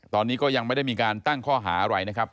ตอนนี้ก็ยังไม่ได้มีการตั้งข้อหาอะไรนะครับ